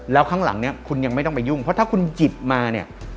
แล้วข้างหลังเนี่ยคุณยังไม่ต้องไปยุ่งเพราะถ้าคุณหยิบมาเนี่ย